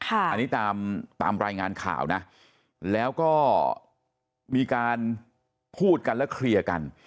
อันนี้ตามตามรายงานข่าวนะแล้วก็มีการพูดกันแล้วเคลียร์กัน